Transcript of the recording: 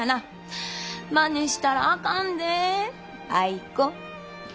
まねしたらあかんでアイ子。